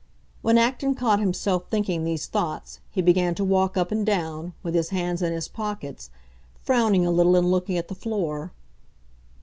When Acton caught himself thinking these thoughts he began to walk up and down, with his hands in his pockets, frowning a little and looking at the floor.